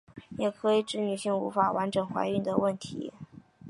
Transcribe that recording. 也可以指女性无法完整怀孕的问题。